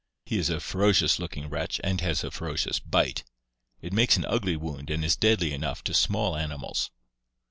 He is a ferocious looking wretch and has a ferocious bite. It makes an ugly wound and is deadly enough to small animals.